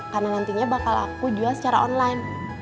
karena nantinya bakal aku jual secara online